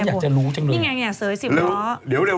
พี่อยากจะเสริฟว่า